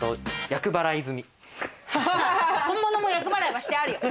本物も厄払いはしてあるよ。